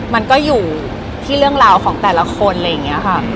มันก็อยู่ที่เรื่องราวของแต่ละคนอะไรอย่างนี้ค่ะ